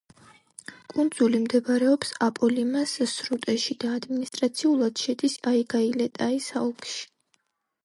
კუნძული მდებარეობს აპოლიმას სრუტეში და ადმინისტრაციულად შედის აიგა-ი-ლე-ტაის ოლქში.